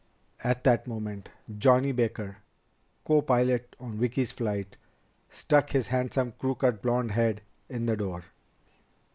At that moment, Johnny Baker, copilot on Vicki's flight, stuck his handsome, crew cut blond head in the door.